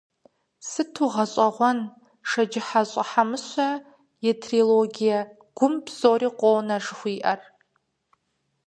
Сыту гъэщӏэгъуэн Шэджыхьэщӏэ Хьэмыщэ и трилогие «Гум псори къонэ» жыхуиӏэр!